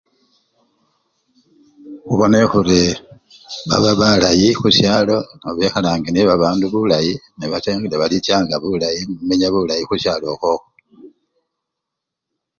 Khubone khuri baba balayi khushalo oba bekhalange nebabandu bulayi nebacha nga balichanga bulayi nebamenya bulayi khushalo okhwokhwo.